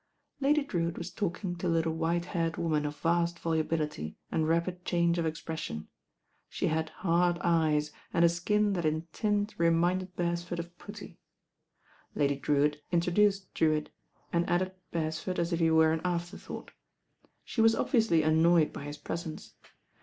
Lady Drewitt was talking to a little white haired woman of vast volubility and rapid change of expres sion. She had hard eyes, and a skin that m tint re «u; tided Beresford of putty. Lady Drewitt introduced Drewitt, and added Beresford as if he were an afterthought. She was obviously annoyed by his presence.